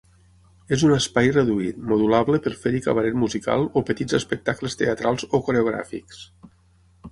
És un espai reduït, modulable per fer-hi cabaret musical o petits espectacles teatrals o coreogràfics.